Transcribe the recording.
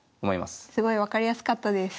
すごい分かりやすかったです。